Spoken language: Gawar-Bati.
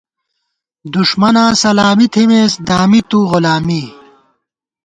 دُݭمَناں سلامی تھِمېس ، دامِتُوؤ غلامی